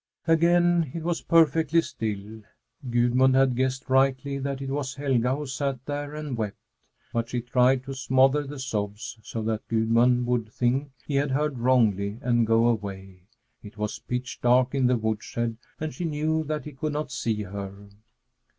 Again it was perfectly still. Gudmund had guessed rightly that it was Helga who sat there and wept; but she tried to smother the sobs, so that Gudmund would think he had heard wrongly and go away. It was pitch dark in the woodshed, and she knew that he could not see her.